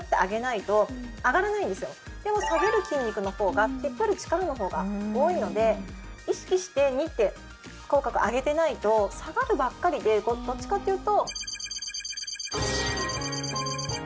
でも下げる筋肉のほうが引っ張る力のほうが多いので意識してニッて口角が上げてないと下がるばっかりでどっちかっていうと。